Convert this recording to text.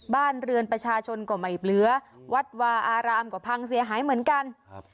บ้านเรือนประชาชนก็ไม่เหลือวัดวาอารามก็พังเสียหายเหมือนกันครับ